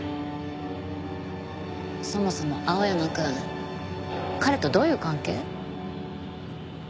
そもそも青山くん彼とどういう関係？